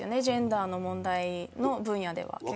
ジェンダーの問題の分野では。